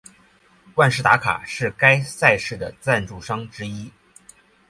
万事达卡是该赛事的赞助商之一。